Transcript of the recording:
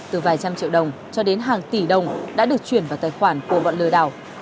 từ vài trăm triệu đồng cho đến hàng tỷ đồng đã được chuyển vào tài khoản của bọn lừa đảo